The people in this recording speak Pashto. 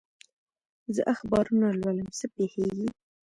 زه اخبارونه لولم، څه پېښېږي؟